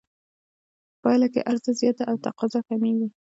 په پایله کې عرضه زیاته او تقاضا کمېږي